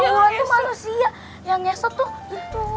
iya ulan tuh manusia yang ngesot tuh itu